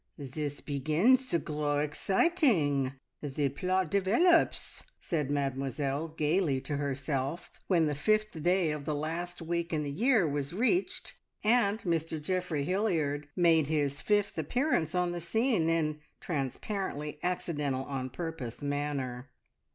"This begins to grow exciting. The plot develops!" said Mademoiselle gaily to herself, when the fifth day of the last week in the year was reached, and Mr Geoffrey Hilliard made his fifth appearance on the scene in transparently accidental on purpose manner.